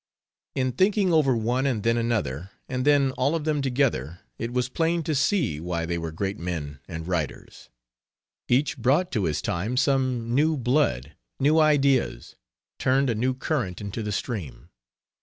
In thinking over one and then another, and then all of them together, it was plain to see why they were great men and writers: each brought to his time some new blood, new ideas, turned a new current into the stream.